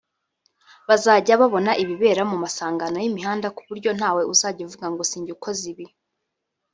Bazajya babona ibibera mu masangano y’imihanda ku buryo ntawe uzavuga ngo si njyewe ukoze ibi